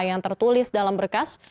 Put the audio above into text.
yang tertulis dalam berkas